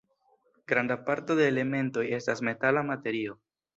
Granda parto de elementoj estas metala materio.